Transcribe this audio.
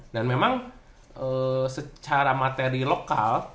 dan memang secara materi lokal